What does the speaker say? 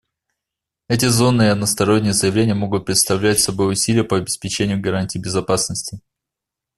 Эти зоны и односторонние заявления могут представлять собой усилия по обеспечению гарантий безопасности.